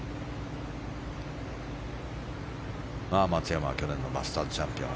松山は去年のマスターズチャンピオン。